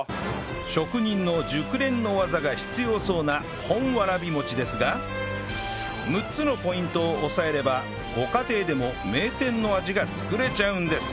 職人の熟練の技が必要そうな本わらびもちですが６つのポイントを押さえればご家庭でも名店の味が作れちゃうんです